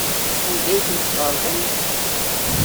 Anda ay ten-tqerḍem?